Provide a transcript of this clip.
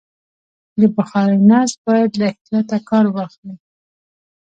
د بخارۍ نصب باید له احتیاطه کار واخلي.